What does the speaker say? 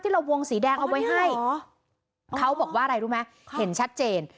เราวงสีแดงเอาไว้ให้เขาบอกว่าอะไรรู้ไหมเห็นชัดเจน